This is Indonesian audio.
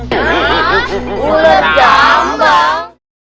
hah ular jambang